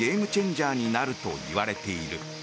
ジャーになるといわれている。